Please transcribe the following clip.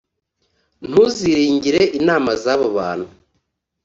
ntuziringire inama z’abo bantu